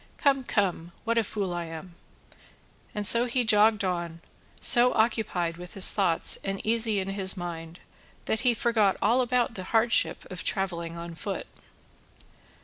Come, come, what a fool I am!" And so he jogged on, so occupied with his thoughts and easy in his mind that he forgot all about the hardship of travelling on foot.